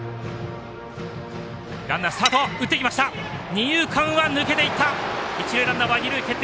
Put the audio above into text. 二遊間抜けていった！